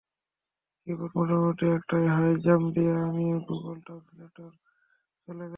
কিবোর্ডে মোটামুটি একটা হাই জাম্প দিয়ে আমি গুগল ট্রান্সলেটরে চলে গেলাম।